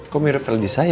kok mirip tadi saya